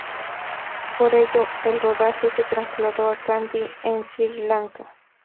Por ello, el rodaje se trasladó a Kandy, en Sri Lanka.